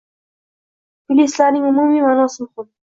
Filistlarning umumiy ma'nosi muhim.